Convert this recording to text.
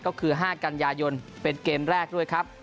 ก็คือ๕กันยายนเป็นเกมแรกด้วยครับ